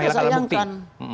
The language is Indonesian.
kenapa kapolres jakarta selatan